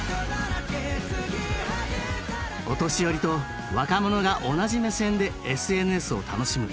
お年寄りと若者が同じ目線でＳＮＳを楽しむ。